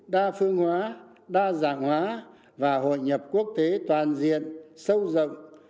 đa phương hóa đa dạng hóa và hội nhập quốc tế toàn diện sâu rộng